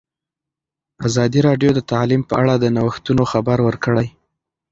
ازادي راډیو د تعلیم په اړه د نوښتونو خبر ورکړی.